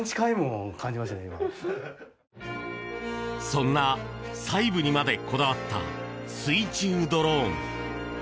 そんな細部にまでこだわった水中ドローン。